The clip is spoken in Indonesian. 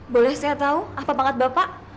boleh saya tahu apa pangkat bapak